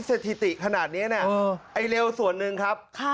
เศรษฐีติขนาดนี้เนี่ยไอ้เลวส่วนหนึ่งครับ